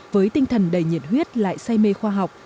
với tinh thần đầy nhiệt huyết lại say mê khoa học